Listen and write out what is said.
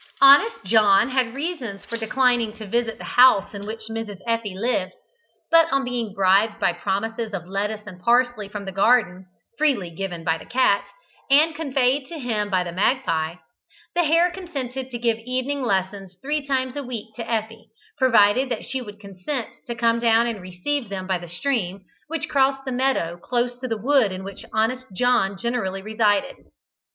"Honest John" had reasons for declining to visit the house in which Mrs. Effie lived, but, on being bribed by promises of lettuce and parsley from the garden, freely given by the cat, and conveyed to him by the magpie, the hare consented to give evening lessons three times a week to Effie, provided that she would consent to come down and receive them by the stream which crossed the meadow close to the wood in which Honest John generally resided.